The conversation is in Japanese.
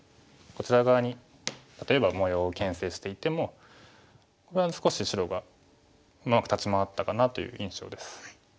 こちら側に例えば模様をけん制していてもこれは少し白がうまく立ち回ったかなという印象です。